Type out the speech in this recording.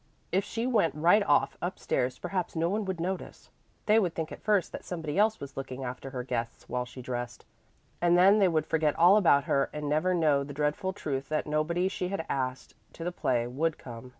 If she went right off up stairs perhaps no one would notice; they would think at first that somebody else was looking after her guests while she dressed, and then they would forget all about her and never know the dreadful truth that nobody she had asked to the play would come.